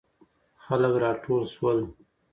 خلک راټول سول.